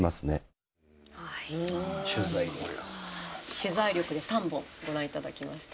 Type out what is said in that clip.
取材力で３本ご覧いただきました。